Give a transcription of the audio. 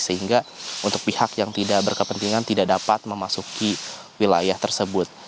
sehingga untuk pihak yang tidak berkepentingan tidak dapat memasuki wilayah tersebut